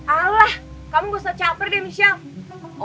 alah kamu gak usah capir deh michelle